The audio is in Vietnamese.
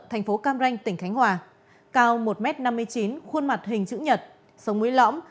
thành phố cam ranh tỉnh khánh hòa cao một m năm mươi chín khuôn mặt hình chữ nhật sống mũi lõm